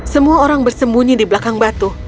semua orang bersembunyi di belakang batu